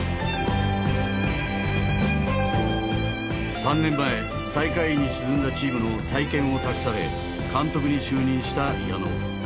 ３年前最下位に沈んだチームの再建を託され監督に就任した矢野。